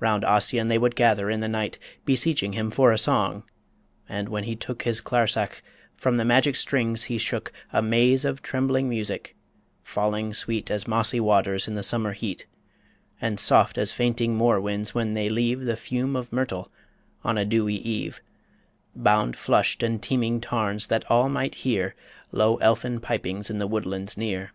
Round Ossian would they gather in the night, Beseeching him for song ... And when he took His clarsach, from the magic strings he shook A maze of trembling music, falling sweet As mossy waters in the summer heat; And soft as fainting moor winds when they leave The fume of myrtle, on a dewy eve, Bound flush'd and teeming tarns that all night hear Low elfin pipings in the woodlands near.